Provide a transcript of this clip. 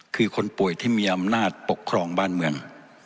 คือคนป่วยที่มีอำนาจปกครองบ้านเมือง